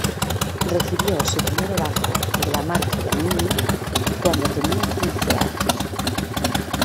Recibió su primero bajo, de la marca Giannini, cuando tenía quince años.